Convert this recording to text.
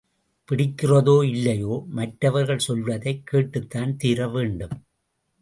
பிடிக்கிறதோ இல்லையோ மற்றவர்கள் சொல்வதைக் கேட்டுத்தான் தீரவேண்டும்.